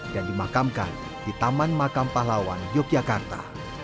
dimakamkan di taman makam pahlawan yogyakarta